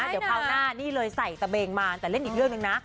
เดี๋ยวคราวหน้านี่เลยใส่ตะเบงมาแต่เล่นอีกเรื่องหนึ่งนะ